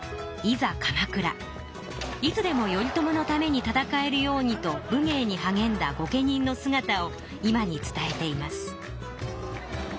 いつでも頼朝のために戦えるようにと武芸にはげんだ御家人のすがたを今に伝えています。